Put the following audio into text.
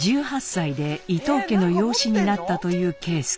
１８歳で伊藤家の養子になったという啓介。